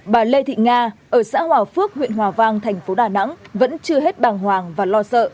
bà lê thị nga ở xã hòa phước huyện hòa vang thành phố đà nẵng vẫn chưa hết bàng hoàng và lo sợ